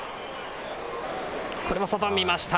これも外、見ました。